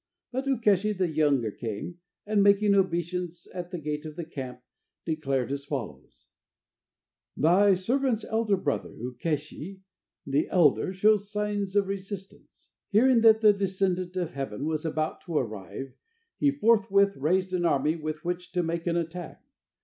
But Ukeshi the younger came, and making obeisance at the gate of the camp, declared as follows: "Thy servant's elder brother, Ukeshi the elder, shows signs of resistance. Hearing that the descendant of heaven was about to arrive, he forthwith raised an army with which to make an attack.